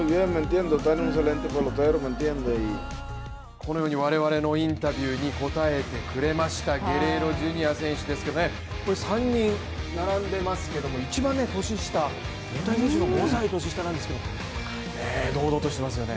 このように我々のインタビューに答えてくれましたゲレーロジュニア選手ですけれども、３人並んでいますけれども、一番年下、大谷選手より５歳年下なんですけど堂々としていますよね。